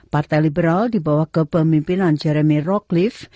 partai liberal dibawa ke pemimpinan jeremy rockleaf